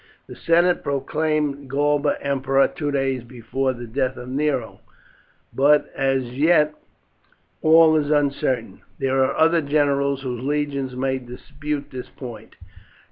"The senate proclaimed Galba emperor two days before the death of Nero; but as yet all is uncertain. There are other generals whose legions may dispute this point.